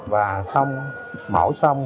và mổ xong